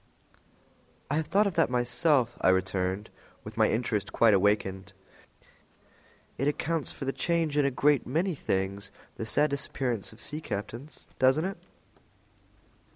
"I have thought of that myself," I returned, with my interest quite awakened. "It accounts for the change in a great many things, the sad disappearance of sea captains, doesn't it?"